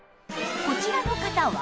こちらの方は